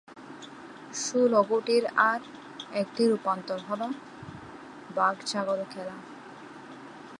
ষোল গুটির আর একটি রূপান্তর হলো বাঘ ছাগল খেলা।